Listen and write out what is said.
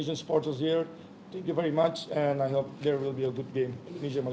saya berharap saya bisa berbicara dengan para penyokong indonesia di sini